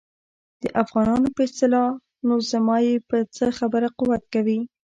د افغانانو په اصطلاح نو زما یې په څه خبره قوت کوي.